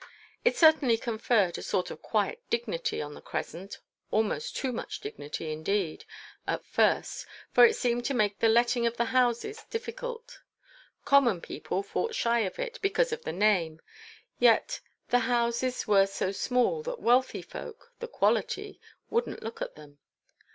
It certainly conferred a sort of quiet dignity on the crescent; almost too much dignity, indeed, at first, for it seemed to make the letting of the houses difficult. Common people fought shy of it, because of the name, yet the houses were so small that wealthy folk—the Quality—wouldn't look at them.